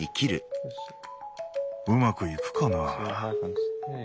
うまくいくかな。